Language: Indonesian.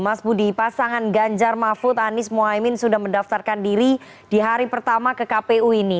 mas budi pasangan ganjar mahfud anies mohaimin sudah mendaftarkan diri di hari pertama ke kpu ini